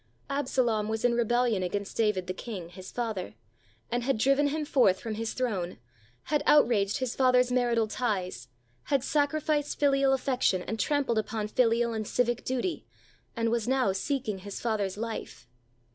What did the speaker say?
Absalom was in rebellion against David the king, his father, and had driven him forth from his throne, had outraged his father's marital ties, had sacrificed filial af fection and trampled upon filial and civic duty, and was now seeking his father's life.